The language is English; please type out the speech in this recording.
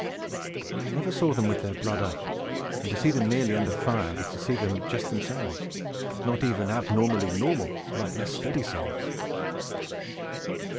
I never saw them with their blood up, and to see them merely under fire is to see them just themselves not even abnormally normal like less steady souls.